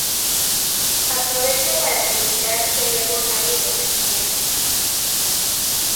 Aprovecha para criticar que luego nadie los entiende.